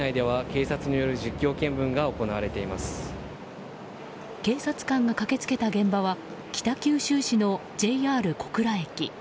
警察官が駆け付けた現場は北九州市のＪＲ小倉駅。